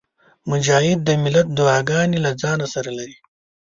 مجاهد د ملت دعاګانې له ځانه سره لري.